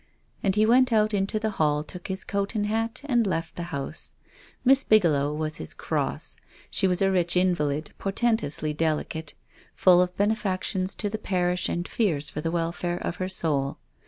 And he went out into the hall, took his coat and hat and left the house. Miss Bigelow was his cross. She was a rich invalid, portentously delicate, full of benefactions to the parish and fears for the welfare of her soul.